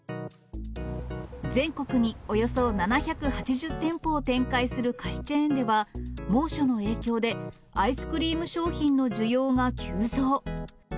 全国におよそ７８０店舗を展開する菓子チェーンでは、猛暑の影響で、アイスクリーム商品の需要が急増。